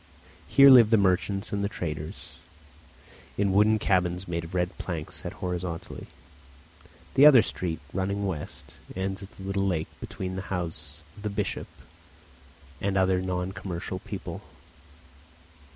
Here live the merchants and traders, in wooden cabins made of red planks set horizontally; the other street, running west, ends at the little lake between the house of the bishop and other non commercial people.